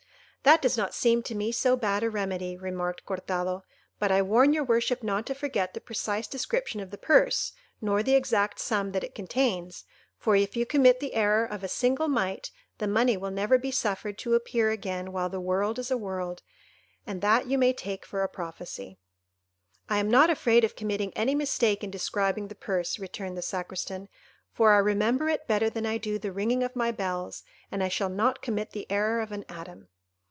"That does not seem to me so bad a remedy," remarked Cortado; "but I warn your worship not to forget the precise description of the purse, nor the exact sum that it contains; for if you commit the error of a single mite, the money will never be suffered to appear again while the world is a world, and that you may take for a prophecy." "I am not afraid of committing any mistake in describing the purse," returned the Sacristan, "for I remember it better than I do the ringing of my bells, and I shall not commit the error of an atom."